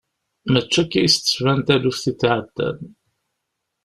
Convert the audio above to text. Mačči akka i as-d-tban taluft iḍ iɛeddan.